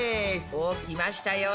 おっきましたよ。